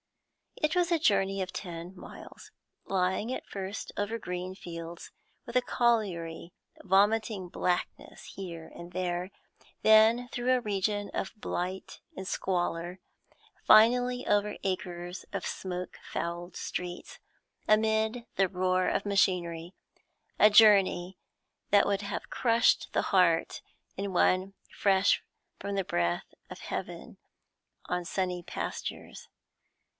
It was a journey of ten miles, lying at first over green fields, with a colliery vomiting blackness here and there, then through a region of blight and squalor, finally over acres of smoke fouled streets, amid the roar of machinery; a journey that would have crushed the heart in one fresh from the breath of heaven on sunny pastures.